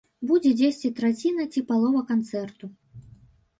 Будзе дзесьці траціна ці палова канцэрту.